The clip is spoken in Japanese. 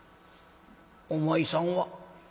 「お前さんは？」。